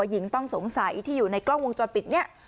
หญิงต้องสงสัยที่อยู่ในกล้องวงจรปิดเนี่ย